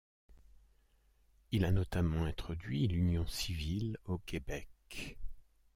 Il a notamment introduit l'union civile au Québec.